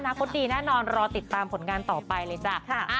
คตดีแน่นอนรอติดตามผลงานต่อไปเลยจ้ะ